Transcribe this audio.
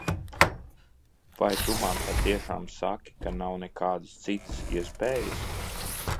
Vai tu man patiešām saki, ka nav nekādas citas iespējas?